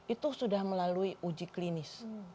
itu sudah melalui uji klinis